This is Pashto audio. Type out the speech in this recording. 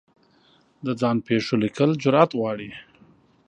د ځان پېښو لیکل جرعت غواړي.